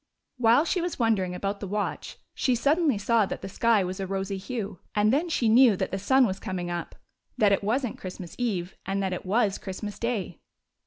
While she was wondering about the watch, she suddenly saw that the sky was a rosy hue, and then she knew that the sun was coming up ; that it was n't Christmas eve, and that it was Christmas day.